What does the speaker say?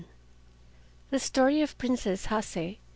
THE STORY OF PRINCESS HASE.